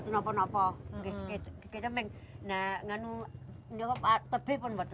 kalau kita pakai tapi kalau kita pakai tepi pun mbak